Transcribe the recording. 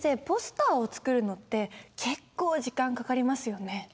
ポスターを作るのって結構時間かかりますよね？